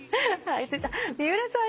三浦さん